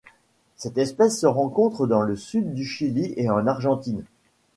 Cette espèce se rencontre dans le sud du Chili et en Argentine.